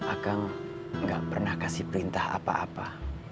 akang gak pernah kasih perintah apa apa